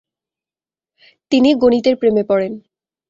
তিনি গণিতের প্রেমে পড়েন।